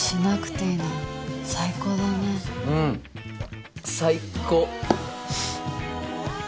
うん。最高！